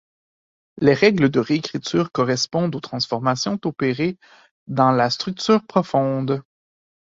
Les règles de réécriture correspondent aux transformations opérées dans la structure profonde.